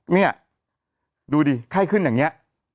เนี่ยดูดิไข้ขึ้นอย่างนี้